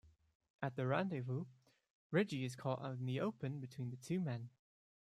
At the rendezvous, Reggie is caught out in the open between the two men.